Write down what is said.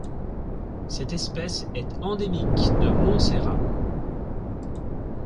Cette espèce est endémique de Montserrat.